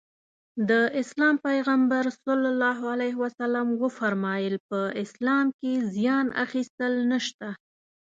د اسلام پيغمبر ص وفرمايل په اسلام کې زيان اخيستل نشته.